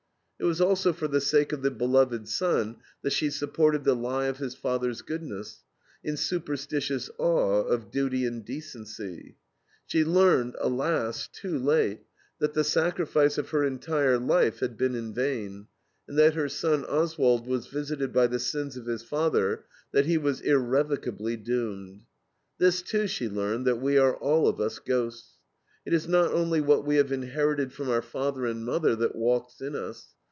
It was also for the sake of the beloved son that she supported the lie of his father's goodness, in superstitious awe of "duty and decency." She learned, alas! too late, that the sacrifice of her entire life had been in vain, and that her son Oswald was visited by the sins of his father, that he was irrevocably doomed. This, too, she learned, that "we are all of us ghosts. It is not only what we have inherited from our father and mother that walks in us.